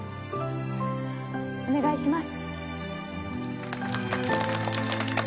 お願いします。